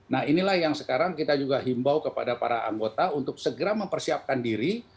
nah inilah yang sekarang kita juga himbau kepada para anggota untuk segera mempersiapkan diri